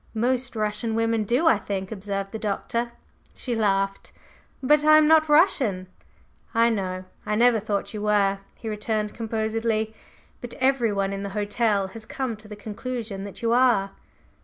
"Most Russian women do, I think," observed the Doctor. She laughed. "But I am not Russian!" "I know. I never thought you were," he returned composedly; "but everyone in the hotel has come to the conclusion that you are!"